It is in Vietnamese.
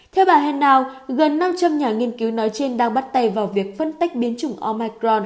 theo bà hannao gần năm trăm linh nhà nghiên cứu nói trên đang bắt tay vào việc phân tách biến chủng omicron